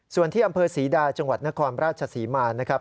ส่วนที่อำเภอศรีดาจังหวัดนครราชศรีมานะครับ